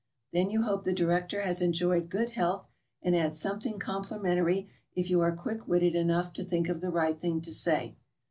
Then you hope the director has enjoyed good health, and add something complimentary if you are quick witted enough to think of the right thing to say.